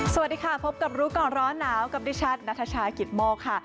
สวัสดีค่ะพบกับรู้ก่อนร้อนหนาวกับดิฉันนัทชายกิตโมกค่ะ